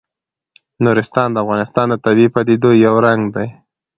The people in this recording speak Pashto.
نورستان د افغانستان د طبیعي پدیدو یو رنګ دی.